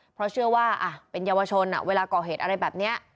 เพราะเชื่อว่าเป็นเยาวชนเวลาก่อเหตุอะไรแบบนี้